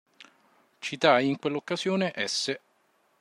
Citai in quell'occasione S.